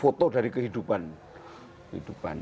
foto dari kehidupan